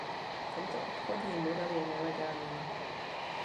Tento obchodní model je nelegální.